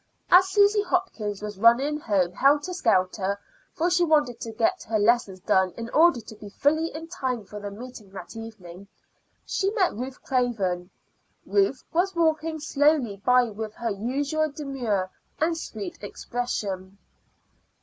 As Susy Hopkins was running home helter skelter for she wanted to get her lessons done in order to be fully in time for the meeting that evening she met Ruth Craven. Ruth was walking slowly by with her usual demure and sweet expression.